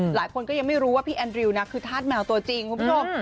หลายคนก็ยังไม่รู้ว่าพี่แอนดริวนะคือธาตุแมวตัวจริงคุณผู้ชม